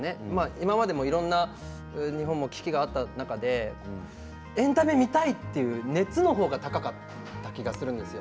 今までもいろんな日本も危機があった中でエンタメを見たいという熱の方が高かった気がするんです。